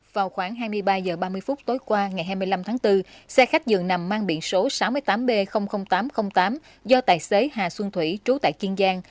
vào khoảng hai mươi ba h ba mươi phút tối qua ngày hai mươi năm tháng bốn xe khách dường nằm mang biển số sáu mươi tám b tám trăm linh tám do tài xế hà xuân thủy trú tại kiên giang